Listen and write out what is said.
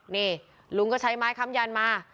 นี่ลุงก็ใช้ไม้คำยันมา